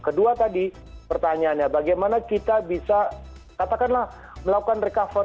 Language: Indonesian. kedua tadi pertanyaannya bagaimana kita bisa katakanlah melakukan recovery terkait persoalan air